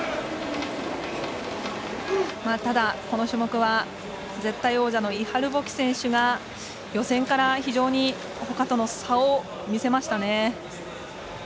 ただ、この種目は絶対王者のイハル・ボキ選手が予選から非常にほかとの差を見せましたね。